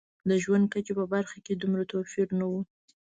د ژوند کچې په برخه کې دومره توپیر نه و.